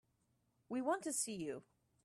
We want to see you.